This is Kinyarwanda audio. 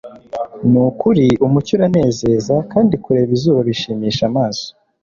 ni ukuri umucyo uranezeza, kandi kureba izuba bishimisha amaso